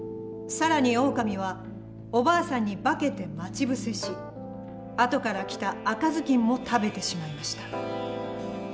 更にオオカミはおばあさんに化けて待ち伏せし後から来た赤ずきんも食べてしまいました。